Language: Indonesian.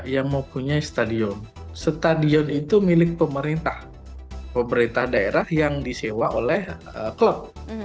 yang mempunyai stadion stadion itu milik pemerintah pemerintah daerah yang disewa oleh klub